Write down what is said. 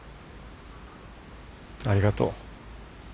ありがとう。